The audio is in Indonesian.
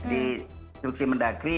di instruksi mendagri yang setelah itu